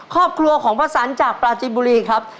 ครอบครัวของพระสันจากปราจินบุรีครับ